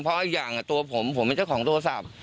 เพราะอีกอย่างตัวผมผมเป็นเจ้าของโทรศัพท์